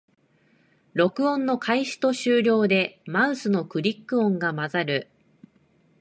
録音の開始と終了でマウスのクリック音が混ざる